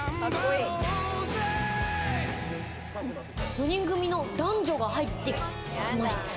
４人組の男女が入ってきました。